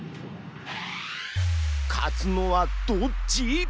勝つのはどっち！？